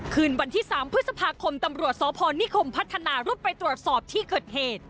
คืนวันที่๓พฤษภาคมตำรวจสพนิคมพัฒนารุดไปตรวจสอบที่เกิดเหตุ